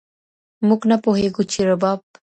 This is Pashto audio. موږ نه پوهیږو چي رباب